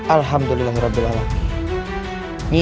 alhamdulillah rabbil alamin